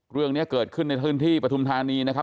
เรื่องนี้เกิดขึ้นในพื้นที่ปฐุมธานีนะครับ